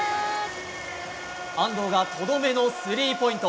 安藤がとどめのスリーポイント。